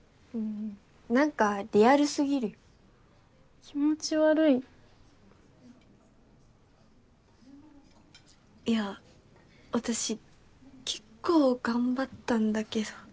・なんかリアルすぎるよ・・気持ち悪い・いや私結構頑張ったんだけど。